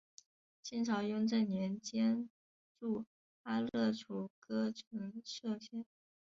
清朝雍正年间筑阿勒楚喀城设县。